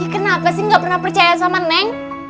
kenapa sih nggak pernah percaya sama neng